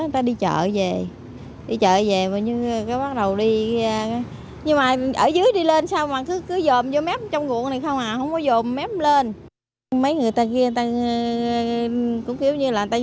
tai nạn giao thông chỉ cách nhau một tháng